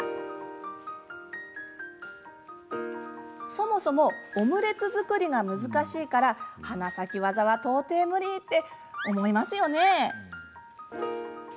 そもそもオムレツ作りが難しいから花咲き技は到底ムリって思いますよね。